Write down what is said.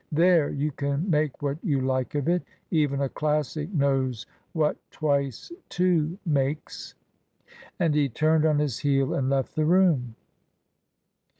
There, you can make what you like of it. Even a Classic knows what twice two makes." And he turned on his heel and left the room.